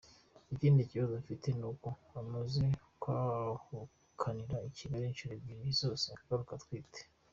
Ikindi kibazo mfite ni uko amaze kwahukanira i Kigali inshuro ebyiri zose akagaruka atwite.